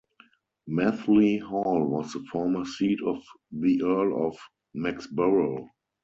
Methley Hall was the former seat of the Earl of Mexborough.